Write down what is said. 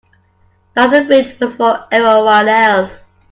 The other bridge was for everyone else.